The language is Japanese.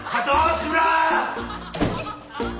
志村！